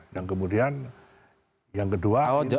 yang kemudian yang kedua